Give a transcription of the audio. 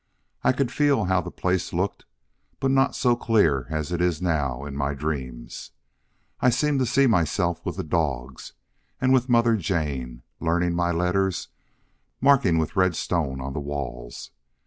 I can feel how the place looked, but not so clear as it is now in my dreams. I seem to see myself with the dogs, and with Mother Jane, learning my letters, marking with red stone on the walls.